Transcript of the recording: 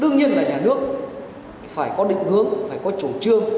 đương nhiên là nhà nước phải có định hướng phải có chủ trương